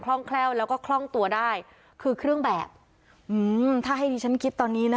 ร่องแคล่วแล้วก็คล่องตัวได้คือเครื่องแบบอืมถ้าให้ดิฉันคิดตอนนี้นะ